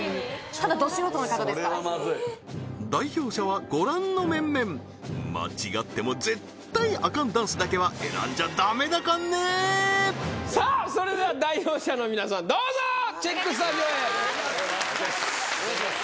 ただど素人の方ですから代表者はご覧の面々間違っても絶対アカンダンスだけは選んじゃダメだかんねさあそれでは代表者の皆さんどうぞチェックスタジオへいってきますお願いします